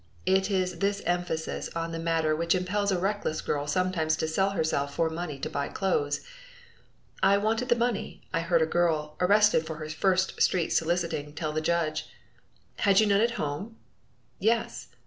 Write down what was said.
It is this emphasis on the matter which impels a reckless girl sometimes to sell herself for money to buy clothes. "I wanted the money," I heard a girl, arrested for her first street soliciting, tell the judge. "Had you no home?" "Yes."